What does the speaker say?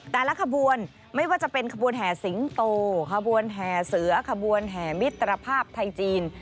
แต่ละขบวนไม่ว่าจะเป็นขบวนแห่สิงโตขบวนแห่เสือขบวนแห่มิตรภาพไทยจีน